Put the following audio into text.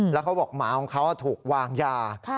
แล้วเขาบอกหมาของเขาถูกวางยา